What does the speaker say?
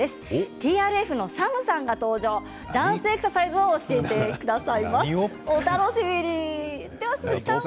ＴＲＦのＳＡＭさんが登場ダンスエクササイズを教えてくださいます。